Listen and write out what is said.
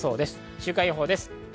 週間予報です。